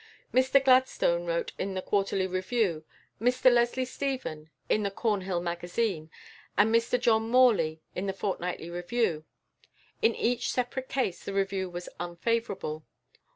Mr Gladstone wrote in the Quarterly Review, Mr Leslie Stephen in the Cornhill Magazine, and Mr John Morley in the Fortnightly Review. In each separate case the review was unfavourable.